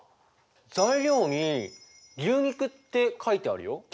材料に「牛肉」って書いてあるよ。